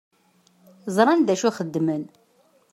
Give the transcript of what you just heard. Ẓṛan dacu i xeddmen.